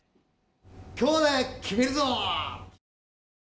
今日で決めるぞ！